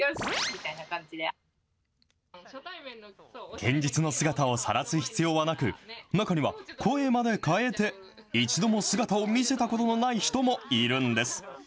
現実の姿をさらす必要はなく、中には、声まで変えて一度も姿を見せたことのない人もいるんです。